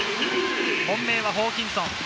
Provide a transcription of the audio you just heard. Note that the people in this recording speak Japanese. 本命はホーキンソン。